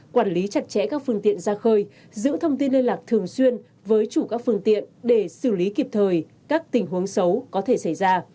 quản lý chặt chẽ các phương tiện ra khơi giữ thông tin liên lạc thường xuyên với chủ các phương tiện để xử lý kịp thời các tình huống xấu có thể xảy ra